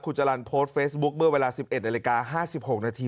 คุณจรรย์โพสต์เฟซบุ๊คเมื่อเวลา๑๑นาฬิกา๕๖นาที